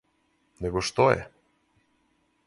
Него што је?